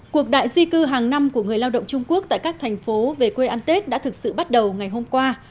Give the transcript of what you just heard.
cuộc đại di cư hàng năm của người lao động trung quốc tại các thành phố về quê ăn tết đã thực sự bắt đầu ngày hôm qua